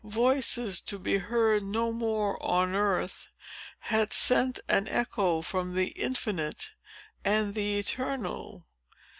Voices, to be heard no more on earth, had sent an echo from the infinite and the eternal.